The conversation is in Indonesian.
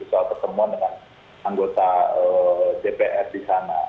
soal pertemuan dengan anggota dpr di sana